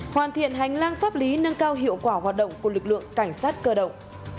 hoàn thiện hành lang pháp lý nâng cao hiệu quả hoạt động của lực lượng cảnh sát cơ động